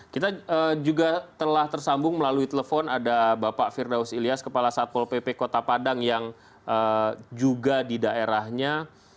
kita juga telah tersambung melalui telepon ada bapak firdaus ilyas kepala satpol pp kota padang yang juga di daerahnya